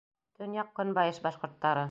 Төньяҡ—көнбайыш башҡорттары.